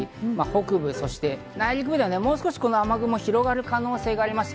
北部、そして内陸ではもう少し雨雲が広がる可能性があります。